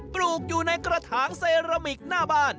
ปลูกอยู่ในกระถางเซรามิกหน้าบ้าน